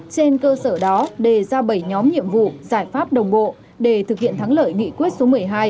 trên cơ sở đó đề ra bảy nhóm nhiệm vụ giải pháp đồng bộ để thực hiện thắng lợi nghị quyết số một mươi hai